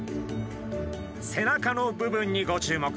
背中の部分にご注目。